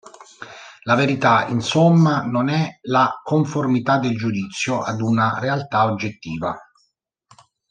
La verità, insomma, non è la conformità del giudizio ad una realtà oggettiva.